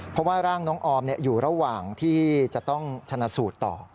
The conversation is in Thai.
เพราะว่าร่างน้องออมอยู่ระหว่างที่จะต้องชนะสูตรต่อ